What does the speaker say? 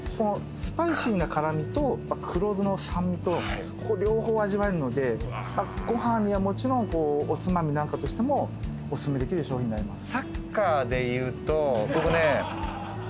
スパイシーな辛味と黒酢の酸味と両方味わえるのでご飯にはもちろんおつまみなんかとしてもおすすめできる商品になります。